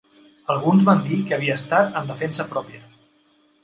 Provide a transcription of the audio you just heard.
Alguns van dir que havia estat en defensa pròpia.